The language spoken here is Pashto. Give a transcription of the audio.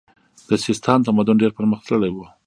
د سیستان تمدن ډیر پرمختللی و